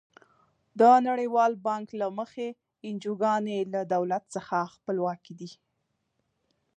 د نړیوال بانک له مخې انجوګانې له دولت څخه خپلواکې دي.